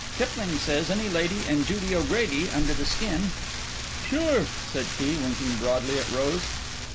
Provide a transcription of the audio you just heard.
Kipling says 'Any lady and Judy O'Grady under the skin.'" "Sure," said Key, winking broadly at Rose.